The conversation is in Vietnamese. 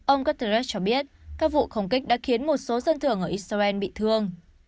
ông guterres cho biết các vụ không kích đã khiến một số dân thường ở israel bị thương